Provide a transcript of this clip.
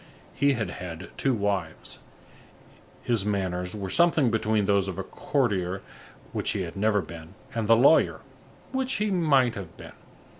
He had had two wives. His manners were something between those of the courtier, which he had never been, and the lawyer, which he might have been.